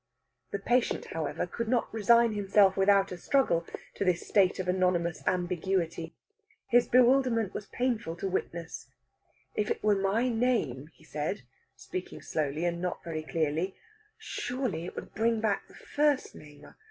The patient, however, could not resign himself without a struggle to this state of anonymous ambiguity. His bewilderment was painful to witness. "If it were my name," he said, speaking slowly and not very clearly, "surely it would bring back the first name.